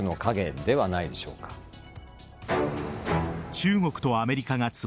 中国とアメリカがつば